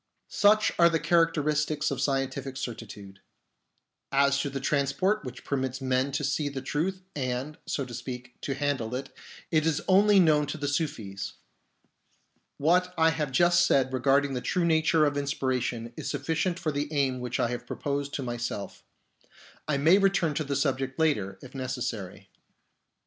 Such are the characteristics of scientific certi tude. As to the transport which permits men to see the truth and, so to speak, to handle it, it is only known to the Sufis. What I have just said regarding the true nature of inspiration is sufficient for the aim which I have proposed to myself. I may return to the subject later, if necessary.